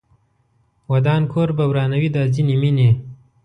ودان کور به ورانوي دا ځینې مینې